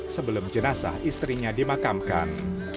sebelum jenazah istrinya dimakamkan